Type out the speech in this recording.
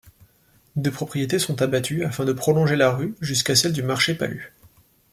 Deux propriétés sont abattues afin de prolonger la rue jusqu'à celle du Marché-Palu.